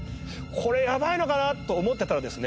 これやばいのかなと思ってたらですね